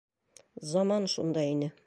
Заман шундай ине.